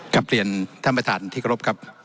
กลับเรียนท่านประธานที่เคารพครับ